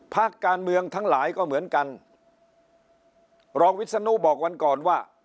พักการเมืองทั้งหลายก็เหมือนกันรองวิศนุบอกวันก่อนว่า